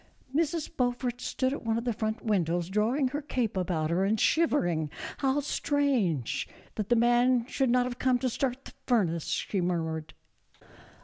Mrs. Beaufort stood at one of the front windows, drawing her cape about her and shivering; "how strange that the man should not have come to start the furnace," she murmured.